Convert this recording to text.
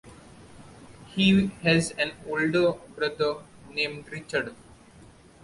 He has an older brother named Richard.